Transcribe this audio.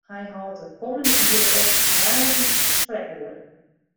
Hy hâldt it kommende jier op woansdei sprekoere.